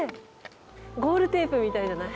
ゴールテープみたいじゃない？